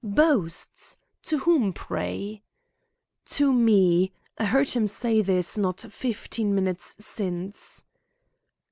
"Boasts! To whom, pray?" "To me. I heard him say this not fifteen minutes since."